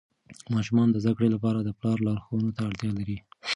ماشومان د زده کړې لپاره د پلار لارښوونو ته اړتیا لري.